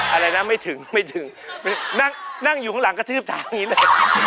อะไรนะไม่ถึงไม่ถึงนั่งอยู่ข้างหลังกระทืบทางนี้เลย